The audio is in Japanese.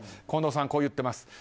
近藤さん、こういってます。